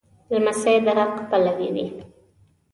لمسی د حق پلوی وي.